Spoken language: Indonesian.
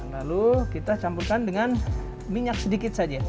lalu kita campurkan dengan minyak sedikit saja